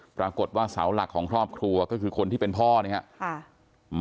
ปรากฏว่าเสาหลักของครอบครัวก็คือคนที่เป็นพ่อนะครับ